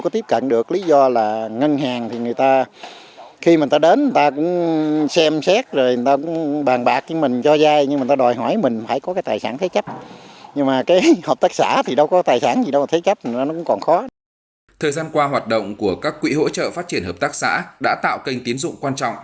thời gian qua hoạt động của các quỹ hỗ trợ phát triển hợp tác xã đã tạo kênh tiến dụng quan trọng